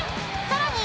［さらに］